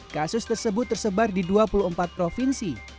kasus tersebut tersebar di dua puluh empat provinsi